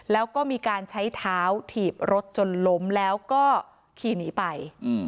แล้วก็มีการใช้เท้าถีบรถจนล้มแล้วก็ขี่หนีไป